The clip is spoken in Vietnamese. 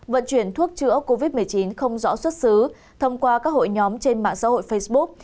vận chuyển thuốc chữa covid một mươi chín không rõ xuất xứ thông qua các hội nhóm trên mạng xã hội facebook